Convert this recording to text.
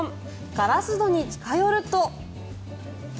ガラス戸に近寄ると。